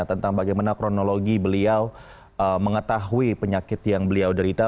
tentang bagaimana kronologi beliau mengetahui penyakit yang beliau derita